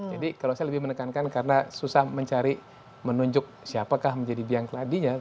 jadi kalau saya lebih menekankan karena susah mencari menunjuk siapakah menjadi biang keladinya